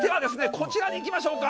こちらにいきましょうか。